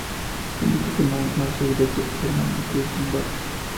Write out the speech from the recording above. El único que no hace nada es Beto, su hermano, que es un vago.